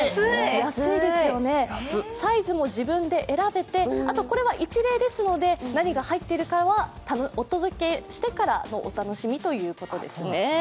安いですよね、サイズも自分で選べてこれは一例ですので、何が入っているかはお届けしてからのお楽しみということですね。